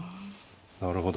なるほど。